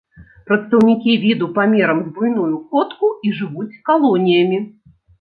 Прадстаўнікі віду памерам з буйную котку і жывуць калоніямі.